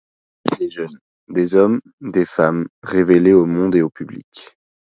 Des jeunes, des hommes, des femmes révélés au monde et au public.